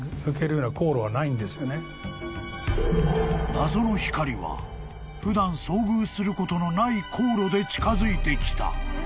［謎の光は普段遭遇することのない航路で近づいてきた］